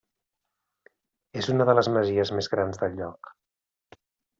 És una de les masies més grans del lloc.